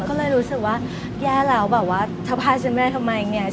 ก็เลยรู้สึกว่าแย่แล้วแบบว่าถ้าพลาดฉันไม่ได้ทำไมเนี่ย